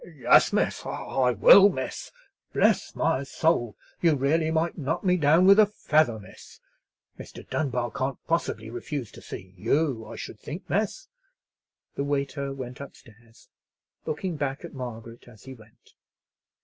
"Yes, miss; I will, miss. Bless my soul! you really might knock me down with a feather, miss. Mr. Dunbar can't possibly refuse to see you, I should think, miss." The waiter went up stairs, looking back at Margaret as he went.